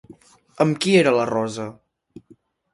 Amb qui era la Rosa?